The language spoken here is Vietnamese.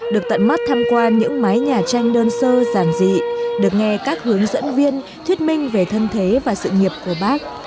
được tận mắt tham quan những mái nhà tranh đơn sơ giản dị được nghe các hướng dẫn viên thuyết minh về thân thế và sự nghiệp của bác